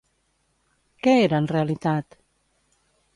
Què era en realitat?